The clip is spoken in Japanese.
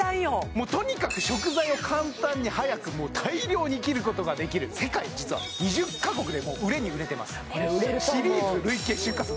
もうとにかく食材を簡単に速くもう大量に切ることができる世界実は２０か国でもう売れに売れてます